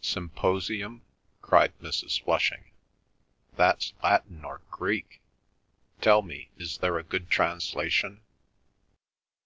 "Symposium?" cried Mrs. Flushing. "That's Latin or Greek? Tell me, is there a good translation?"